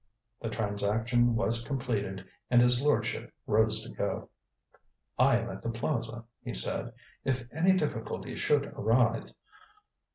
The transaction was completed, and his lordship rose to go. "I am at the Plaza," he said, "if any difficulty should arise.